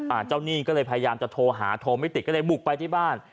เจ้าหนี้ก็เลยพยายามจะโทรหาโทรไม่ติดก็เลยบุกไปที่บ้าน